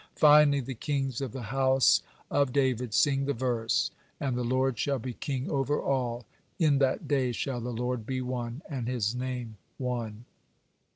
Finally the kings of the house of David sing the verse: "And the Lord shall be king over all; in that day shall the Lord be one, and His name one."